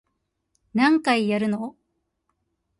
何回やるの